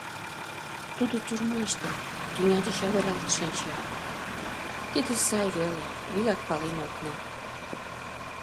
Тудо тюрьмаште, тӱня деч авыралт шинча — тиде сай веле, вигак пален ок нал.